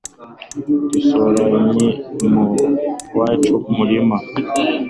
dusoromye mu wacu murirma